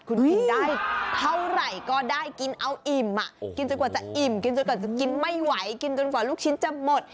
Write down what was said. คุณกินได้เท่าไหร่ก็ได้กินเอ้าอิ่มอ่ะต้องกินจนกว่าจะอิ่มก็กินไม่ไหวกินจนกว่าลูกชิ้นจะหมด